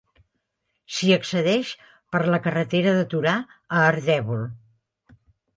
S'hi accedeix per la carretera de Torà a Ardèvol.